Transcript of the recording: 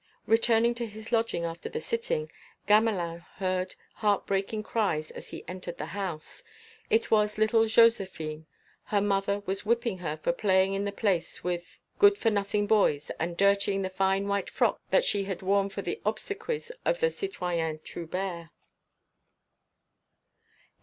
Returning to his lodging after the sitting, Gamelin heard heart breaking cries as he entered the house. It was little Joséphine; her mother was whipping her for playing in the Place with good for nothing boys and dirtying the fine white frock she had worn for the obsequies of the citoyen Trubert.